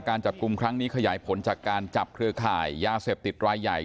การจับกลุ่มครั้งนี้ขยายผลจากการจับเครือข่ายยาเสพติดรายใหญ่